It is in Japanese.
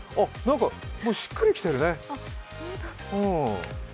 しっくりきてるね。